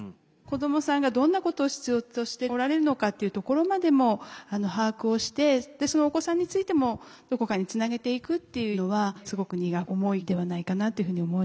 子どもさんがどんなことを必要としておられるのかっていうところまでも把握をしてそのお子さんについてもどこかにつなげていくっていうのはすごく荷が重いのではないかなっていうふうに思います。